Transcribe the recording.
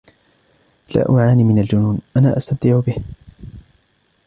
أنا لا أعاني من الجنون ، أنا أستمتع به.